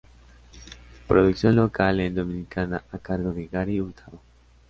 Producción local en Dominicana a cargo de Gary Hurtado.